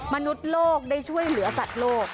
มนุษย์โลกได้ช่วยเหลือสัตว์โลก